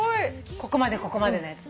ここまでここまでのやつ。